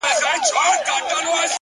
اخلاص د زړه ژبه ده,